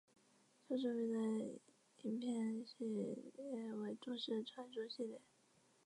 较著名的影片系列为都市传说系列。